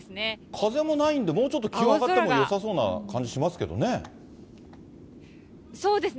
風もないんで、もうちょっと気温上がってもよさそうな感じしますけどね。